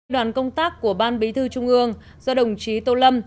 đoàn công tác của ban bí thư trung ương do đồng chí tô lâm